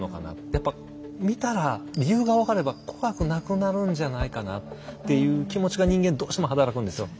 やっぱ見たら理由が分かれば怖くなくなるんじゃないかなっていう気持ちが人間どうしても働くんですよ。